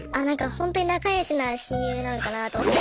「本当に仲よしな親友なのかな」と思って。